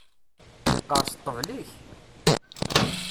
Yeqqers ṭṭbel-ik!